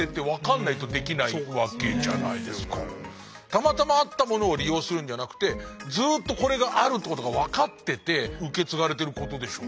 たまたまあったものを利用するんじゃなくてずっとこれがあるってことが分かってて受け継がれてることでしょう。